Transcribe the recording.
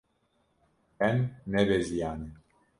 Em nebeziyane.